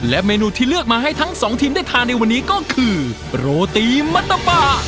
และเมนูที่เลือกมาให้ทั้งสองทีมได้ทานในวันนี้ก็คือโรตีมัตตะปะ